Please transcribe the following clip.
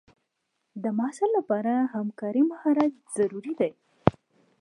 د محصل لپاره همکارۍ مهارت ضروري دی.